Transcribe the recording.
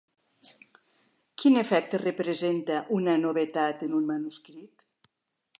Quin efecte representa una novetat en un manuscrit?